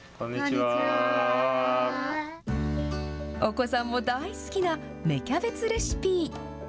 お子さんも大好きな芽キャベツレシピ。